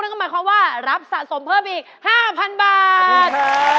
ก็หมายความว่ารับสะสมเพิ่มอีก๕๐๐๐บาท